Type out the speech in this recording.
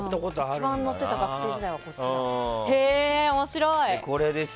一番乗ってた学生時代はこっちです。